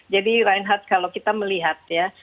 jadi reinhardt kalau kita melihat ya